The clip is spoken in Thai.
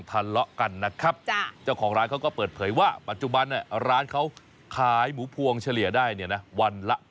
เพราะฉะนั้นใครมาก่อนมาทีหลัง